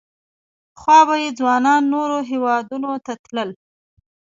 پخوا به یې ځوانان نورو هېوادونو ته تلل.